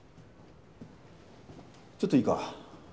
ちょっといいか？